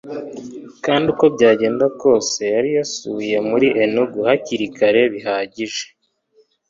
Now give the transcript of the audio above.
kandi uko byagenda kose yari yasubiye muri enugu hakiri kare bihagije